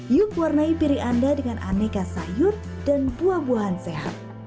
yuk warnai piring anda dengan aneka sayur dan buah buahan sehat